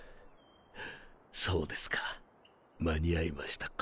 そうですか間に合いましたか。